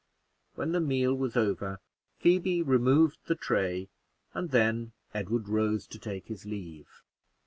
When the meal was over, Phoebe removed the tray, and then Edward rose to take his leave.